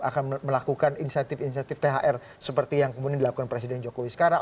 akan melakukan insentif insentif thr seperti yang kemudian dilakukan presiden jokowi sekarang